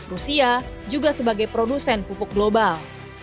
rusia juga sebagai produsen pupuk global